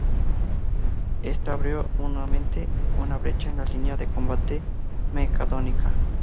Esto abrió momentáneamente una brecha en la línea de combate macedónica.